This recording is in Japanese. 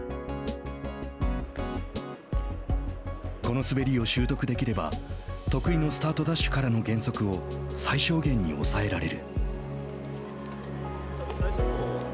この滑りを習得できれば得意のスタートダッシュからの減速を最小限に抑えられる。